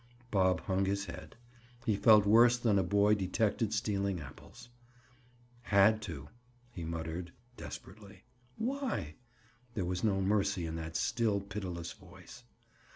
Bob hung his head. He felt worse than a boy detected stealing apples. "Had to," he muttered desperately. "Why?" There was no mercy in that still pitiless voice.